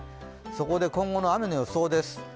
そこで今後の雨の予想です。